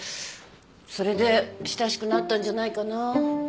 それで親しくなったんじゃないかな。